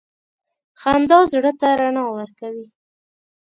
• خندا زړه ته رڼا ورکوي.